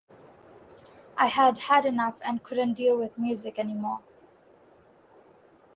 I had had enough and couldn't deal with music any more.